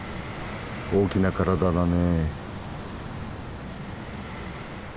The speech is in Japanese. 大きな体だね。